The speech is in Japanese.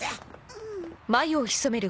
うん。